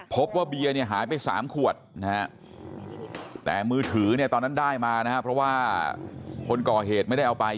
พบว่าเบียร์หายไป๓ขวดแต่มือถือตอนนั้นได้มาเพราะว่าคนก่อเหตุไม่ได้เอาไป